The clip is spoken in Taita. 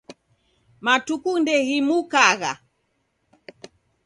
Matuku ndeghimukagha.